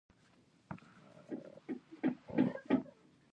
وادي د افغانستان د جغرافیې بېلګه ده.